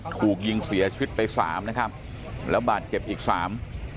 ถูกยิงเสียชีวิตไปสามนะครับแล้วบาดเจ็บอีกสาม